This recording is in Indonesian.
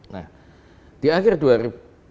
nah di akhir dua ribu